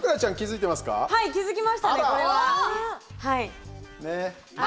気付きましたね、これは。